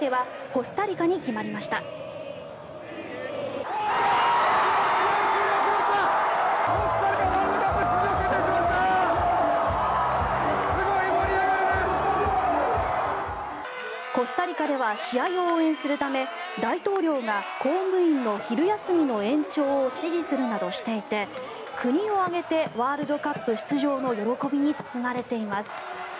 コスタリカでは試合を応援するため、大統領が公務員の昼休みの延長を指示するなどしていて国を挙げてワールドカップ出場の喜びに包まれています。